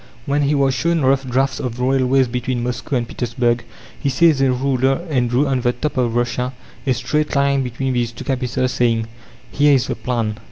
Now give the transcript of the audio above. When he was shown rough drafts of railways between Moscow and Petersburg, he seized a ruler and drew on the map of Russia a straight line between these two capitals, saying, "Here is the plan."